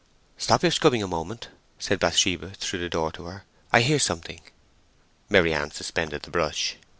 "Stop your scrubbing a moment," said Bathsheba through the door to her. "I hear something." Maryann suspended the brush.